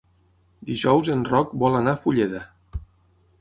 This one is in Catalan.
Dijous en Roc vol anar a Fulleda.